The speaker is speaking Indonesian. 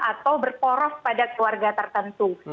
atau berporos pada keluarga tertentu